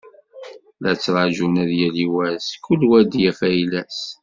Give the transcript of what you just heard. La ttrağun ad yali wass, kul wa ad yaf ayla-s.